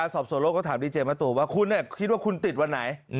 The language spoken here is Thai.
สอบส่วนโลกก็ถามดีเจมส์มาตรวมว่าคุณเนี่ยคิดว่าคุณติดวันไหน